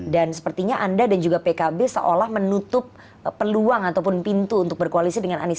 dan sepertinya anda dan juga pkb seolah menutup peluang ataupun pintu untuk berkoalisi dengan anies